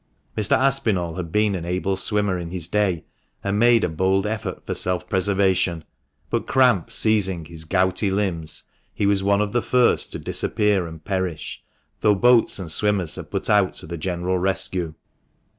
Mr. Aspinall had been an able swimmer in his day, and made a bold effort for self preservation; but cramp seizing his gouty 4 1 2 THB MANCHESTER MAN. limbs, he was one of the first to disappear and perish, though boats and swimmers had put out to the general rescue.